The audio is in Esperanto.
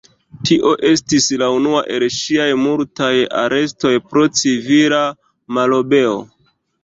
Tio estis la unua el ŝiaj multaj arestoj pro civila malobeo.